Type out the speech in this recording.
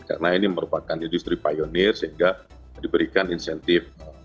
karena ini merupakan industri pieoneer sehingga diberikan insentif tersebut